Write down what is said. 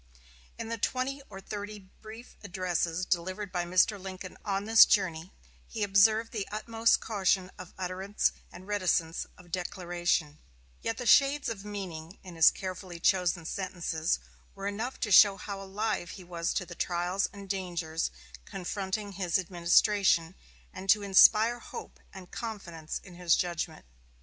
In the twenty or thirty brief addresses delivered by Mr. Lincoln on this journey, he observed the utmost caution of utterance and reticence of declaration; yet the shades of meaning in his carefully chosen sentences were enough to show how alive he was to the trials and dangers confronting his administration, and to inspire hope and confidence in his judgment.